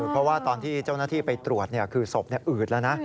เพราะว่าตอนที่เจ้าหน้าที่ไปตรวจคือศพอืดแล้วนะ